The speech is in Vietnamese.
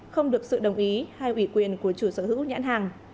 không được sự đồng ý hay ủy quyền của chủ sở hữu nhãn hàng